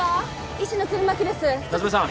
医師の弦巻です夏梅さん